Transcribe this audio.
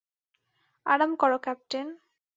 আরাম করো ক্যাপ্টেন।